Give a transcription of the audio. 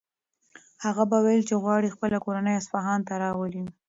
هغه به ویل چې غواړي خپله کورنۍ اصفهان ته راولي.